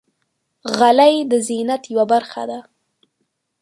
غلۍ د زینت یوه برخه ده.